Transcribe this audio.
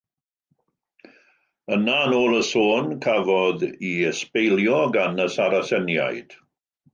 Yna, yn ôl y sôn, cafodd ei ysbeilio gan y Saraseniaid.